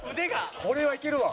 これはいけるわ。